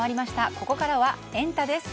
ここからはエンタ！です。